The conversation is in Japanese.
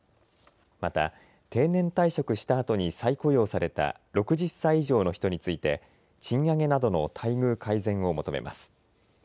また、定年退職したあとに再雇用された６０歳以上の人について、賃上げなどの待遇改善を求めます。